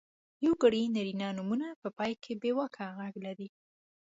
یوګړي نرينه نومونه په پای کې بېواکه غږ لري.